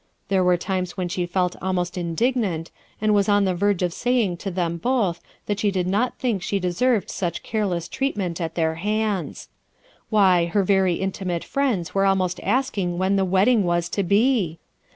There were times when she felt almost indignant, and was on the verge of saying to them both that she did not think she deserved IDEAL CONDITIONS SI suC b careless treatment at their hands Wh her very intimate friends were almost a< when the wedding was to be!